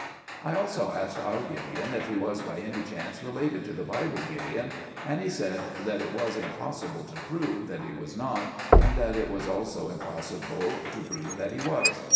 I also asked our Gideon if he was by any chance related to the Bible Gideon, and he said that it was impossible to prove that he was not, and that it was also impossible to prove that he was.